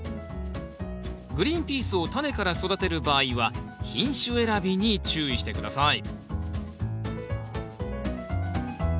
グリーンピースをタネから育てる場合は品種選びに注意して下さい